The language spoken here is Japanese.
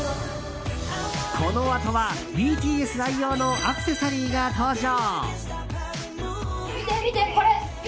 このあとはＢＴＳ愛用のアクセサリーが登場。